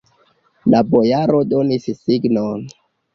La bojaro donis signon.